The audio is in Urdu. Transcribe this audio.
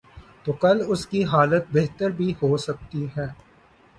تو کل اس کی حالت بہتر بھی ہو سکتی ہے۔